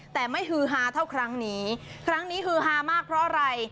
แต่ไม่ฮือฮาเท่าครั้งนี้ครั้งนี้ฮือฮามากเพราะอะไร